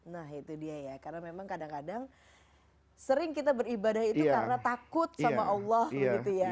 nah itu dia ya karena memang kadang kadang sering kita beribadah itu karena takut sama allah begitu ya